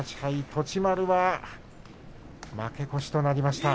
栃丸は負け越しとなりました。